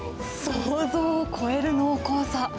想像を超える濃厚さ。